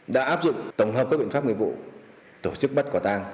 đã áp dụng tổng hợp các biện pháp nguyên vụ tổ chức bắt quả tăng